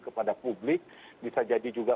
kepada publik bisa jadi juga